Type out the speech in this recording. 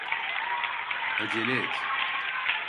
Acele et !